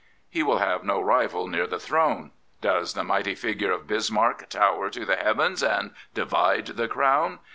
He will have no rival near the throne. Does the mighty figure of Bismarck tower to the heavens and divide the crown?